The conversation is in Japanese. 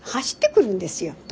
走ってくるんですよ。